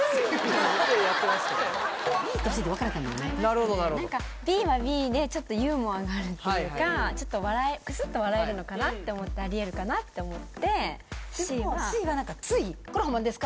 なるほどなるほど何かＢはＢでちょっとユーモアがあるっていうかちょっとクスッと笑えるのかなって思ってありえるかなって思ってＣはでもＣはつい「これ本番ですか？」